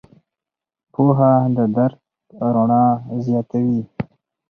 پوهه د درک رڼا زیاتوي.